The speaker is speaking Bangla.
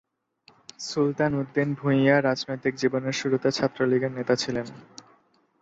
সুলতান উদ্দিন ভূঁইয়া রাজনৈতিক জীবনের শুরুতে ছাত্রলীগের নেতা ছিলেন।